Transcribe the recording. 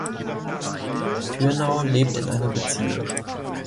Thürnau lebt in einer Beziehung.